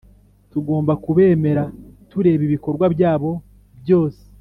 tugomba kubemera tureba ibikobwa byabo byose,